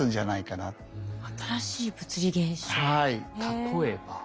例えば。